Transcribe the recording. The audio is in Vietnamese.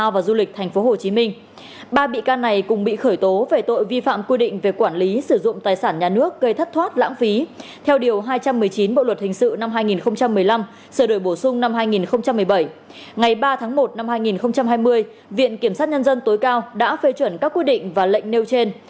viện kiểm sát nhân dân tối cao đã phê chuẩn các quy định và lệnh nêu trên